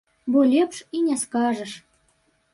Бо лепш і не скажаш!